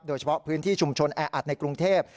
โดยเฉพาะพื้นที่ชุมชนแออัดในกรุงเทพ